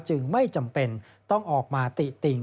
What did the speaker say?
จึงไม่จำเป็นต้องออกมาติติ่ง